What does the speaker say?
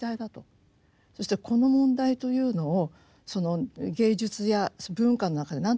そしてこの問題というのを芸術や文化の中で何とかしなければ